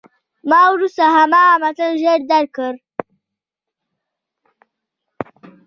ما وروسته هماغه متن ژر درک کړ.